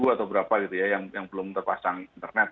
sebelas ribu atau berapa gitu ya yang yang belum terpasang internet